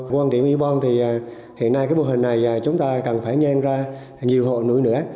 quân điểm y bong thì hiện nay cái bộ hình này chúng ta cần phải nhanh ra nhiều hộ nổi nữa